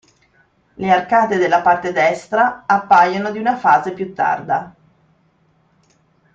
Le arcate della parte destra appaiono di una fase più tarda.